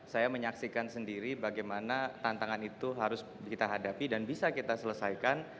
saya menyaksikan sendiri bagaimana tantangan itu harus kita hadapi dan bisa kita selesaikan